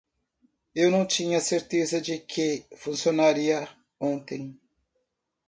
Eu não tinha certeza de que funcionaria ontem.